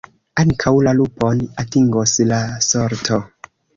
Ankaŭ la lupon atingos la sorto.